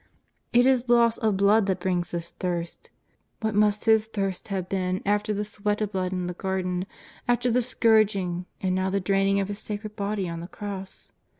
It is loss of blood that brings this thirst. What must His thirst have been after the sweat of blood in the Garden, after the scourging, and now the draining of His sacred body on the cross